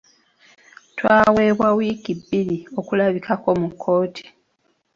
Twaweebwa wiiki bbiri okulabikako mu kkooti.